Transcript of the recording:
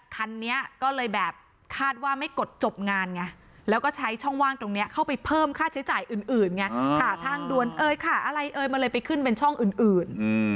คันนี้ก็เลยแบบคาดว่าไม่กดจบงานไงแล้วก็ใช้ช่องว่างตรงนี้เข้าไปเพิ่มค่าใช้จ่ายอื่นไงขาทางด่วนเอยค่ะอะไรเอ่ยมันเลยไปขึ้นเป็นช่องอื่น